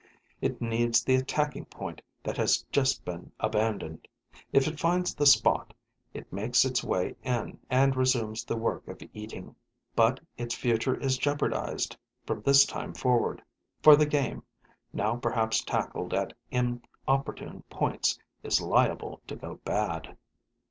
It needs the attacking point that has just been abandoned. If it finds the spot, it makes its way in and resumes the work of eating; but its future is jeopardized from this time forward, for the game, now perhaps tackled at inopportune points, is liable to go bad.